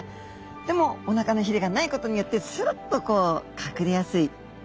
でもおなかのひれがないことによってするっとこう隠れやすい。